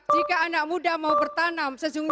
jika anak muda mau bertanam sejumlah pangsa pasarnya jagung